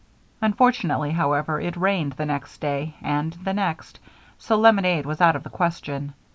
Unfortunately, however, it rained the next day and the next, so lemonade was out of the question.